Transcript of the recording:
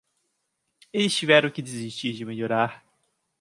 Eles tiveram que desistir de melhorar.